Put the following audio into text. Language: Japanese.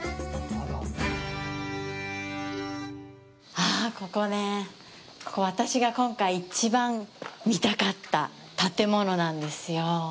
あっ、ここねぇ、ここ、私が今回、いちばん見たかった建物なんですよ。